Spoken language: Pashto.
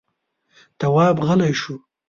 تواب غلی شو.